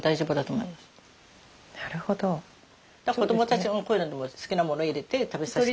子どもたちもこういうのでも好きなもの入れて食べさせたり。